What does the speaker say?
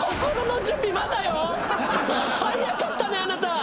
早かったねあなた！